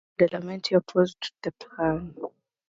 Badalamenti opposed the plan.